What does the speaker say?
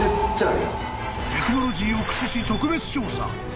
［テクノロジーを駆使し特別調査］